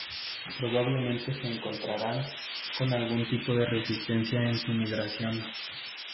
Probablemente se encontraran con algún tipo de resistencia en su migración.